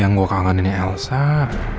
yang gue kangen ini elsar